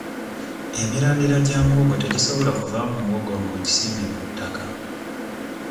Emirandira gya muwogo tegisobola kuvaamu muwogo ng'ogisimbye mu ttaka.